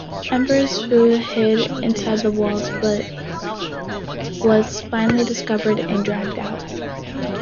Empress Fu hid inside the walls, but was finally discovered and dragged out.